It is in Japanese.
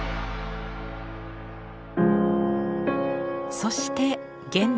そして現代。